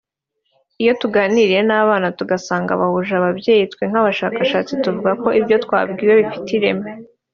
Iyo tuganiriye n’abana tugasanga bahuje n’ababyeyi twe nk’abashakashatsi tuvuga ko ibyo twabwiwe bifite ireme